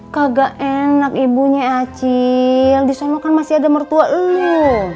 kagak enak ibunya acil di sana kan masih ada mertua lu